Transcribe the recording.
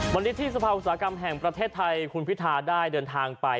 วันนี้ที่สภาอุตสาหกรรมแห่งประเทศไทยคุณพิทาได้เดินทางไป